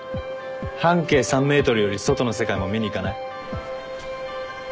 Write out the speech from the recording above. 半径３ｍより外の世界も見に行かない？